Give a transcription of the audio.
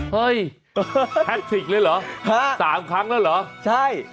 เฮ้ยแท็กติกเลยเหรอ๓ครั้งแล้วเหรอใช่